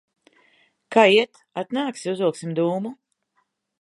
Kā iet? Atnāksi, uzvilksim dūmu?